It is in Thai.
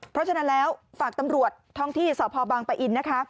เพราะฉะนั้นแล้วฝากตำรวจท้องที่สพบางปะอินนะคะ